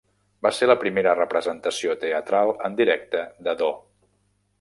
Va ser la primera representació teatral en directe de Do.